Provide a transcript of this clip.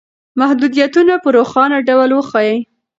محدودیتونه په روښانه ډول وښایئ.